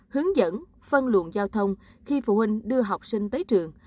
hướng dẫn phân luận giao thông khi phụ huynh đưa học sinh tới trường